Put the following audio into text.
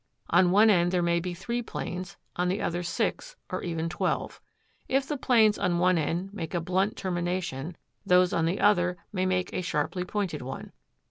On one end there may be three planes, on the other six, or even twelve. If the planes on one end make a blunt termination, those on the other may make a sharply pointed one.